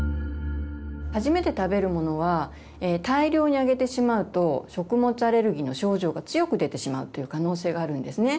初めて食べるものは大量にあげてしまうと食物アレルギーの症状が強く出てしまうという可能性があるんですね。